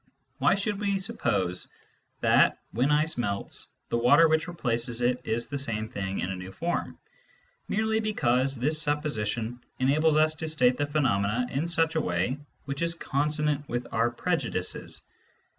Why should we suppose that, when ice melts, the water which replaces it is the same thing in a new form ? Merely because this supposition enables us to state the phenomena in a way which is consonant with our prejudices.